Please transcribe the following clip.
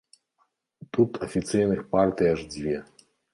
Тут афіцыйных партый аж дзве.